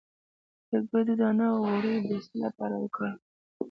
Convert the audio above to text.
د کدو دانه غوړي د څه لپاره وکاروم؟